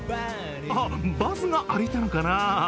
あっ、バズが歩いたのかな？